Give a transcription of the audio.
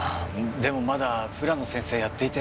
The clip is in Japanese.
でもまだフラの先生やっていて。